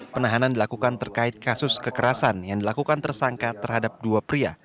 penahanan dilakukan terkait kasus kekerasan yang dilakukan tersangka terhadap dua pria